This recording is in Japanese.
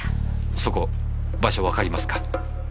そこ場所わかりますか？